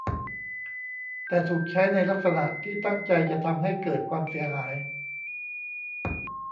แต่ถูกใช้ในลักษณะที่ตั้งใจจะทำให้เกิดความเสียหาย